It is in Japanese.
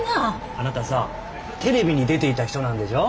あなたさテレビに出ていた人なんでしょ？